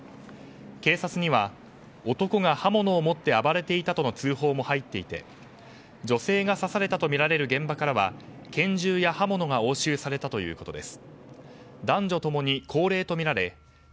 警察には男が刃物を持って暴れていたとの通報も入っていて女性が刺されたとみられる現場からは拳銃や刃物が押収されたということです。